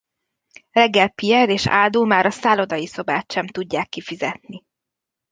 Reggel Pierre és Aldo már a szállodai szobát sem tudják kifizetni.